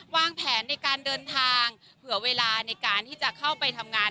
วางแผนในการเดินทางเผื่อเวลาในการที่จะเข้าไปทำงาน